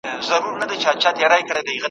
کمینئ کي ناست په تخت د سلیمان یې